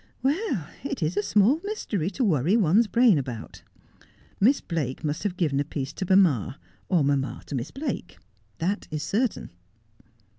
Well, it is a small mystery to worry one's brain about. Miss Blake must have given a piece to mamma, or mamma to Miss Blake. That is certain.'